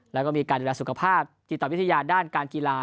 แล้วก็มีการดูแลสุขภาพจิตวิทยาด้านการกีฬา